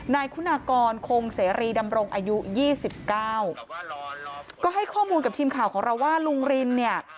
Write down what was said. นายคุณากรคงเสรีดำรงอายุยี่สิบเก้าก็ให้ข้อมูลกับทีมข่าวของเราว่าลุงรินเนี่ย